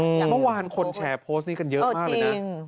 เมื่อวานคนแชร์โพสต์นี้กันเยอะมากเลยนะ